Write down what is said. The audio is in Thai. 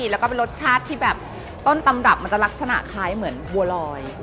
แล้วก็เป็นรสชาติที่แบบต้นตำรับมันจะลักษณะคล้ายเหมือนบัวลอย